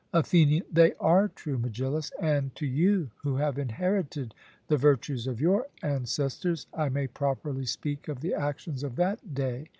ATHENIAN: They are true, Megillus; and to you, who have inherited the virtues of your ancestors, I may properly speak of the actions of that day.